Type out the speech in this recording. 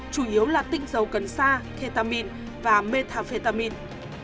chủ yếu là tịnh dầu cần sa thetamin và methamphetamine